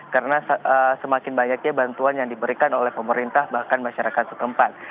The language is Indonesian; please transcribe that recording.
karena semakin banyaknya bantuan yang diberikan oleh pemerintah bahkan masyarakat sekempat